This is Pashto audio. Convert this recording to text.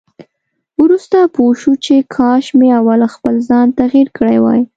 وروسته پوه شو چې کاش مې اول خپل ځان تغيير کړی وای.